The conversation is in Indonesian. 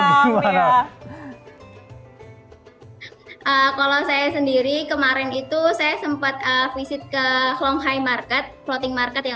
gimana kalau saya sendiri kemarin itu saya sempat visit ke klong hai market floating market yang